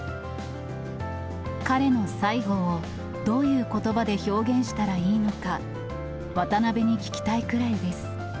彼の最後をどういうことばで表現したらいいのか、渡辺に聞きたいくらいです。